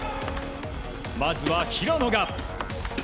まずは平野が。